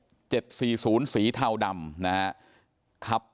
ขับไปชนจักรยานยนต์ของสองทรายมีภรรยานะครับ